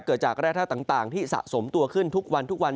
เกิดจากแรกท่าต่างที่สะสมตัวขึ้นทุกวัน